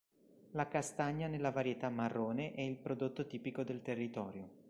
La castagna nella varietà Marrone è il prodotto tipico del territorio.